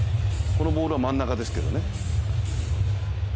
このボールは真ん中ですけどね。